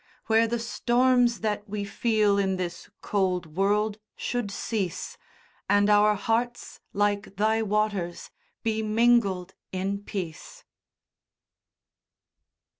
Where the storms that we feel in this cold world should cease, And our hearts, like thy waters, be mingled in peace.